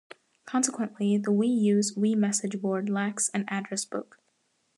Consequently, the Wii U's Wii Message Board lacks an Address Book.